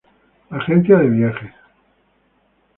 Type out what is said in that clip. Agencia de viajes